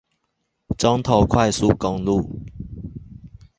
中投快速公路